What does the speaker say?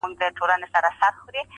پر حلال حرام یې مه کيږه راوړه یې.